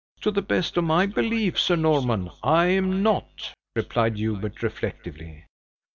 "To the best of my belief, Sir Norman, I am not," replied Hubert, reflectively.